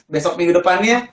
besok minggu depannya